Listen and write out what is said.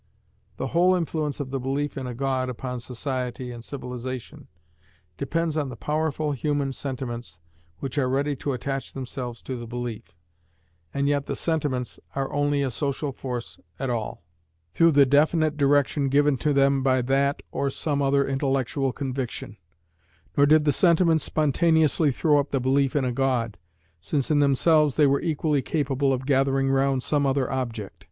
The whole influence of the belief in a God upon society and civilization, depends on the powerful human sentiments which are ready to attach themselves to the belief; and yet the sentiments are only a social force at all, through the definite direction given to them by that or some other intellectual conviction; nor did the sentiments spontaneously throw up the belief in a God, since in themselves they were equally capable of gathering round some other object.